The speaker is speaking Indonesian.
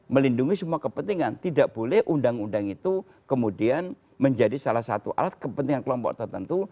melindungi semua kepentingan tidak boleh undang undang itu kemudian menjadi salah satu alat kepentingan kelompok tertentu